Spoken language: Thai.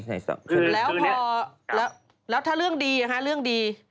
ใส่สองคือแล้วพอแล้วแล้วถ้าเรื่องดีฮะเรื่องดี